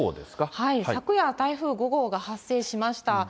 昨夜台風５号が発生しました。